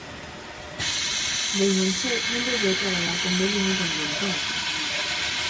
Damon Che non volveu a traballar con Bellini dende entón.